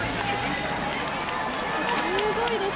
すごいです。